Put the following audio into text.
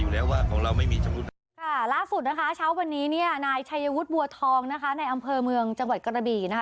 ไม่มีค่ะล่าสุดนะคะเช้าวันนี้เนี่ยนายชัยวุฒิบัวทองนะคะในอำเภอเมืองจังหวัดกระบี่นะคะ